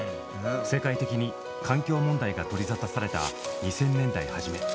世界的に環境問題が取り沙汰された２０００年代初め